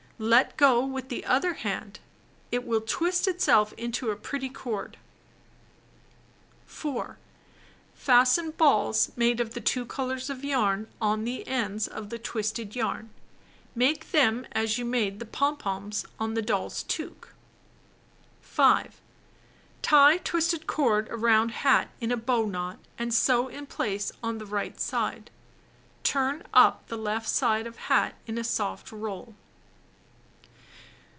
Let go with the other hand. It will twist itself into a pretty cord. ij TVitt a._gretty cord. 210 Knitting and Crocheting Book 4. Fasten balls made of the two colors of yarn on the ends of the twisted yarn. Make them as you made the pom poms on doll's toque (page 95). 5. Tie twisted cord around hat in a bow knot and sew in place on the right side. Turn up the left side of hat in a soft roll.